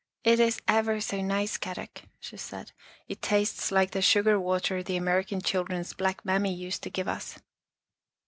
" It is ever so nice, Kadok," she said. " It tastes like the sugar water the American chil dren's black mammy used to give us."